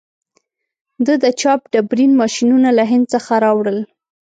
ده د چاپ ډبرین ماشینونه له هند څخه راوړل.